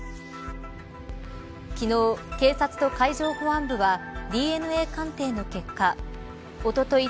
昨日、警察と海上保安部はＤＮＡ鑑定の結果おととい